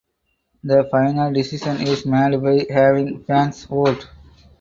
The final decision is made by having fans vote.